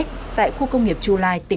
ba giờ sáu ngàn nghỉ